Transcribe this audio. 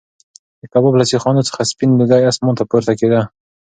د کباب له سیخانو څخه سپین لوګی اسمان ته پورته کېده.